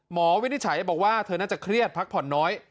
วินิจฉัยบอกว่าเธอน่าจะเครียดพักผ่อนน้อย